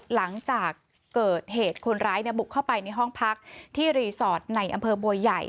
หลังจากเกิดเหตุคนร้ายบุกเข้าไปในห้องพักที่รีสอร์ทในอำเภอบัวใหญ่